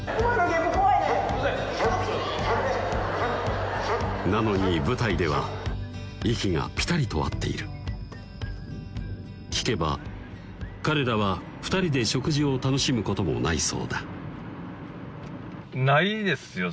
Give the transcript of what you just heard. ゲップゲップなのに舞台では息がピタリと合っている聞けば彼らは２人で食事を楽しむこともないそうだないですよ